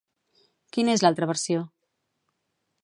Quina és l'altra versió?